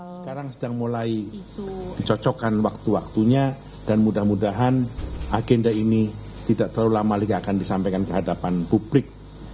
sekarang sedang mulai dicocokkan waktu waktunya dan mudah mudahan agenda ini tidak terlalu lama lagi akan disampaikan ke hadapan publik